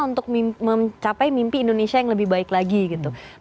untuk mencapai mimpi indonesia yang lebih baik lagi gitu